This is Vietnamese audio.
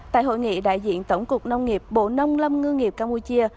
tại hội nghị đại diện tổng cục nông nghiệp bộ nông lâm ngư nghiệp campuchia